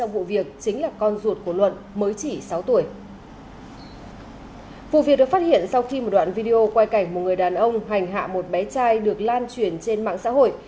vụ việc được phát hiện sau khi một đoạn video quay cảnh một người đàn ông hành hạ một bé trai được lan truyền trên mạng xã hội